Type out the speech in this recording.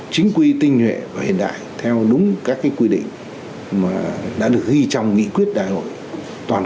chính quy tinh nhuệ và hiện đại theo đúng các quy định mà đã được ghi trong nghị quyết đại hội toàn